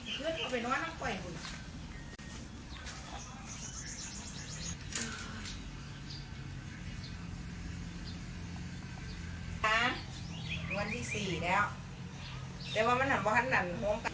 สวัสดีครับวันนี้วันที่สี่แล้วแต่ว่ามันถึงบ้านนั้น